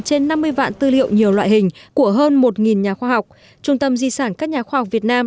trên năm mươi vạn tư liệu nhiều loại hình của hơn một nhà khoa học trung tâm di sản các nhà khoa học việt nam